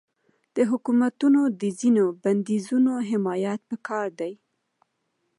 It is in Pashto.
د حکومتونو د ځینو بندیزونو حمایت پکار دی.